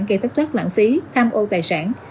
gây thất thoát lãng phí tham ô tài sản